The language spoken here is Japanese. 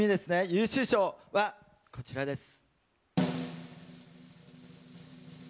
優秀賞は、こちらです。